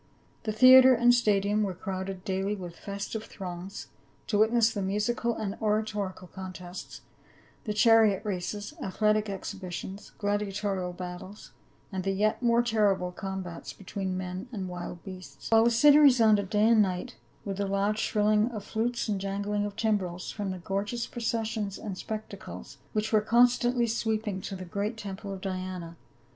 The theatre and stadium were crowded daily with festive throngs, to witness the mu:ical and oratorical contests, the chariot races, athletic exhibitions, gladiatorial battles, and the yet more terrible combats between men and wild beasts.* While the city resounded day and night with the loud shrilling of flutes and jangling of timbrels from the gorgeous processions and spectacles which were constantly sweeping to t he great temple of Diana, * 1. Cor. XV., 32. 362 PA UL.